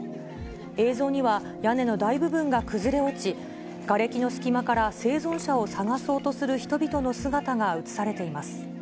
映像には、屋根の大部分が崩れ落ち、がれきの隙間から生存者を捜そうとする人々の姿がうつされています。